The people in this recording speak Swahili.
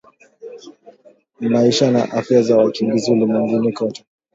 Maisha na Afya za wakimbizi ulimwenguni kote